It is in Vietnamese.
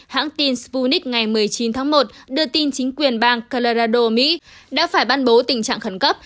hãng tin sputnik ngày một mươi chín tháng một đưa tin chính quyền bang colorado mỹ đã phải bắn bố tình trạng khẩn cấp